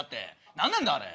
何なんだあれ。